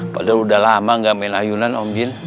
padahal udah lama gak main ayunan om jin